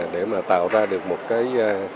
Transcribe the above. để mà tạo ra được một cái